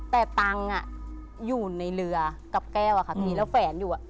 แต่ตังค์อยู่ในเรือกับแก้วอะค่ะพี่แล้วแฝนอยู่